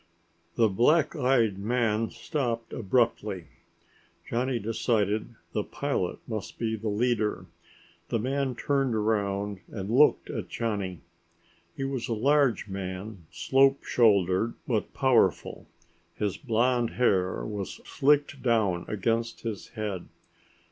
The black eyed man stopped abruptly. Johnny decided the pilot must be the leader. The man turned around and looked at Johnny. He was a large man, slope shouldered but powerful. His blond hair was slicked down against his head.